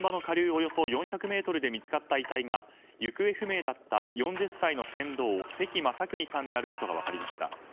およそ４００ｍで見つかった遺体が行方不明だった４０歳の船頭関雅有さんであることが分かりました。